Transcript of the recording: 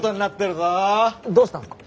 どうしたんすか？